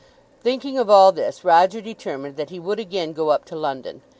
Thinking of all this, Roger determined that he would again go up to London.